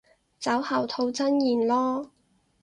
酒後吐真言囉